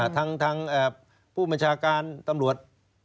ทางผู้บัญชาการตำรวจ